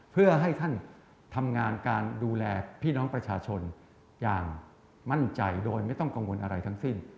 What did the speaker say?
เพื่อให้ท่านทำงานการดูแลพี่น้องประชาชนอย่างมั่นใจโดยไม่ต้องกังวลอะไรทั้งสิ้น